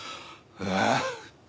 ああ！